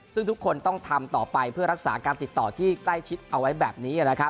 ซึ่งทุกคนต้องทำต่อไปเพื่อรักษาการติดต่อที่ใกล้ชิดเอาไว้แบบนี้